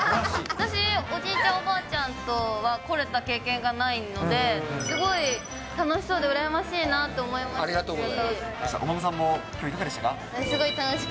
私、おじいちゃん、おばあちゃんとは来れた経験がないので、すごい楽しそうでうらやましいなと思いますし。